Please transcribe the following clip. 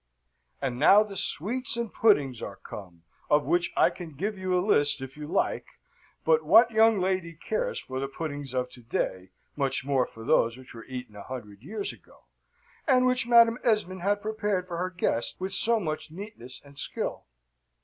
And now the sweets and puddings are come, of which I can give you a list, if you like; but what young lady cares for the puddings of to day, much more for those which were eaten a hundred years ago, and which Madam Esmond had prepared for her guests with so much neatness and skill?